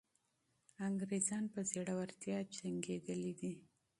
انګریزان په زړورتیا جنګېدلي دي.